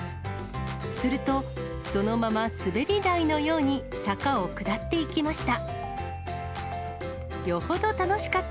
すると、そのまま滑り台のように坂を下っていきました。